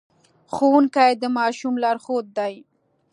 ښوونکي د ماشوم لارښود دي.